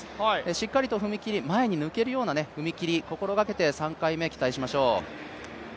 しっかりと踏み切り、前に抜けるような踏み切り、心がけて３回目、期待しましょう。